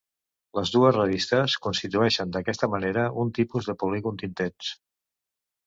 Les dues revistes constitueixen d'aquesta manera un tipus de polígon d'intents.